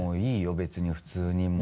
別に普通にもう。